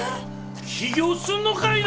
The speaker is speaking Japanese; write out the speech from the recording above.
起業すんのかいな！